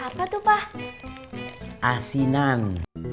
apa tuh pak asinan